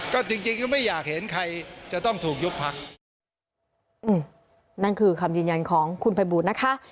ก็จริงไม่อยากเห็นใครจะต้องถูกยุคพรรคนั่นคือคำยืนยันของคุณภัยบูรณ์นะคะ